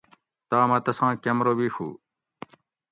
تامہ تساۤں کمرہ بیڛو